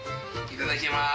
いただきまーす。